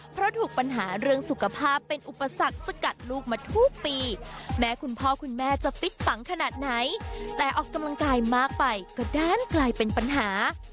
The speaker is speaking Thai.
เพราะถูกปัญหาเรื่องสุขภาพเป็นอุปสรรคสกัดลูกมาทุกปีแม้คุณพ่อคุณแม่จะฟิตฝังขนาดไหนแต่ออกกำลังกายมากไปก็ด้านกลายเป็นปัญหา